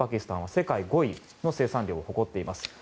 世界５位の生産量を誇っていますい。